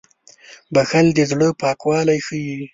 • بښل د زړه پاکوالی ښيي.